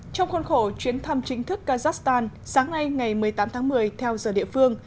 trong khuôn khổ chuyến thăm chính thức kazakhstan sáng nay ngày một mươi tám tháng một mươi theo giờ địa phương